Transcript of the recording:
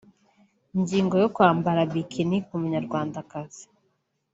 Ingingo yo kwambara ’Bikini’ ku munyarwandakazi